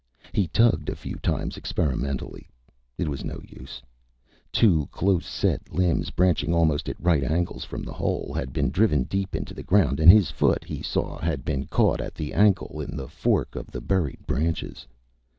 He tugged a few times experimentally. It was no use. Two close set limbs, branching almost at right angles from the hole, had been driven deep into the ground and his foot, he saw, had been caught at the ankle in the fork of the buried branches.